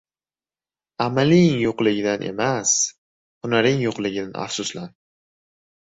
• Amaling yo‘qligidan emas, hunaring yo‘qligidan afsuslan.